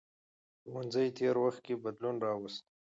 ښوونځي تېر وخت کې بدلون راوست.